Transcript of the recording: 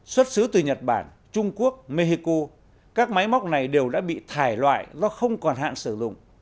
xuất xứ từ nhật bản trung quốc mexico các máy móc này đều đã bị thải loại do không còn hạn sử dụng